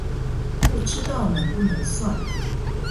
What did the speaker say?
不知道能不能算